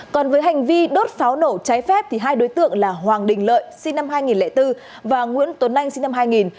còn với hành vi đốt pháo nổ trái phép hai đối tượng là hoàng đình lợi sinh năm hai nghìn bốn và nguyễn tuấn anh sinh năm hai nghìn